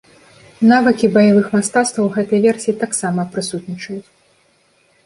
Навыкі баявых мастацтваў гэтай версіі таксама прысутнічаюць.